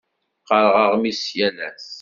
Qqareɣ aɣmis yal ass.